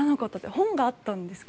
本があったんですか？